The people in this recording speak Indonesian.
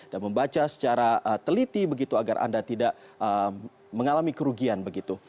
dan membaca secara teliti begitu agar anda tidak mengalami kerugian begitu